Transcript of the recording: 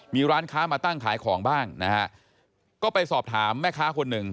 มีร้านค้ามาตั้งขายของบ้างนะฮะก็ไปสอบถามแม่ค้าคนหนึ่ง